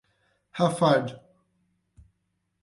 Rafard